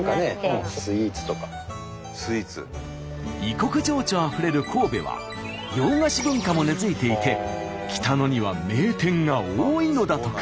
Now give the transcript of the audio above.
異国情緒あふれる神戸は洋菓子文化も根づいていて北野には名店が多いのだとか。